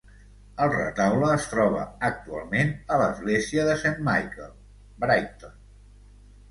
El retaule es troba actualment a l"església de Saint Michael, Brighton.